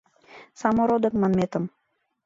Самородок манметым.